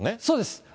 そうです。